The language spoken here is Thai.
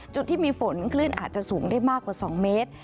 จุดที่มีฝนคลื่นอาจจะสูงได้มากกว่า๒เมตร